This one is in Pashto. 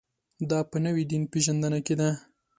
دا په نوې دین پېژندنه کې ده.